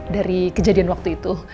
dari kejadian waktu itu